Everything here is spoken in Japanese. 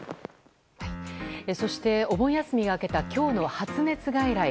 そして、お盆休みが明けた今日の発熱外来。